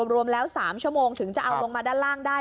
รวมแล้ว๓ชั่วโมงถึงจะเอาลงมาด้านล่างได้